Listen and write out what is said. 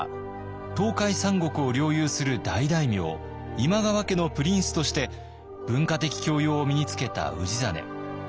東海三国を領有する大大名今川家のプリンスとして文化的教養を身につけた氏真。